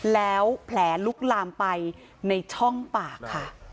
แล้วแผลลุกลามไปในช่องปากค่ะ